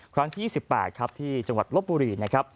ครั้งที่๒๘ครับที่จังหวัดลบบุรีนะครับ